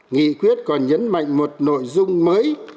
nghị quyết còn nhấn mạnh một nội dung mới